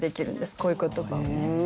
こういう言葉はね。